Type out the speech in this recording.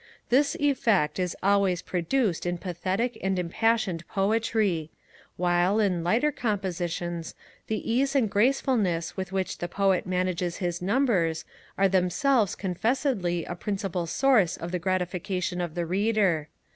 This effect is always produced in pathetic and impassioned poetry; while, in lighter compositions, the ease and gracefulness with which the Poet manages his numbers are themselves confessedly a principal source of the gratification of the Reader.